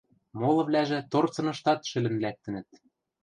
Молывлӓжӹ торцыныштат шӹлӹн лӓктӹнӹт.